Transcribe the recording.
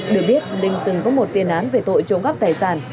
được biết linh từng có một tiền án về tội trộm cắp tài sản